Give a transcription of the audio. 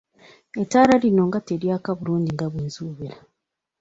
Ettala lino nga teryaka bulungi nga bwe nsuubira.